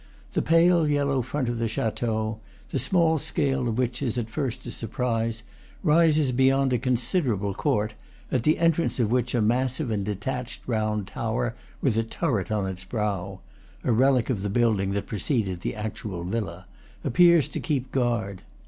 The pale yellow front of the chateau, the small scale of which is at first a surprise, rises beyond a consider able court, at the entrance of which a massive and detached round tower, with a turret on its brow (a relic of the building that preceded the actual villa), appears to keep guard.